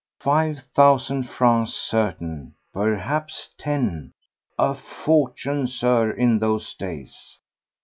Five thousand francs certain! Perhaps ten! A fortune, Sir, in those days!